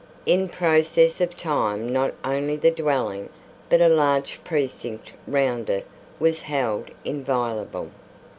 In process of time not only the dwelling, but a large precinct round it, was held inviolable.